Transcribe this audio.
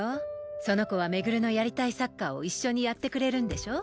その子は廻のやりたいサッカーを一緒にやってくれるんでしょ？